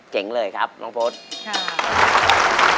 เก่งเลยครับน้องโพสต์